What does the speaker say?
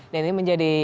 dan ini menjadi